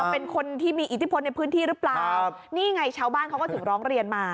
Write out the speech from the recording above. เป็นคนที่มีอิทธิพลในพื้นที่หรือเปล่านี่ไงชาวบ้านเขาก็ถึงร้องเรียนมา